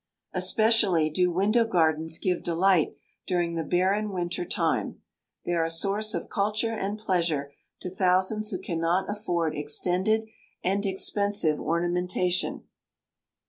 Especially do window gardens give delight during the barren winter time. They are a source of culture and pleasure to thousands who cannot afford extended and expensive ornamentation.